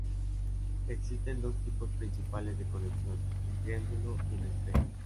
Existen dos tipos principales de conexión; en "triángulo" y en "estrella".